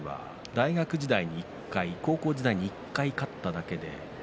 関には大学時代に１回高校時代に１回勝っただけ。